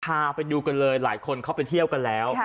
พาไปดูกันเลยหลายคนเข้าไปเที่ยวกันแล้ว